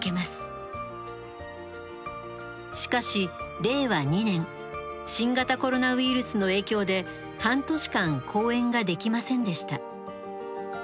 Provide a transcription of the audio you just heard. しかし令和２年新型コロナウイルスの影響で半年間公演ができませんでした。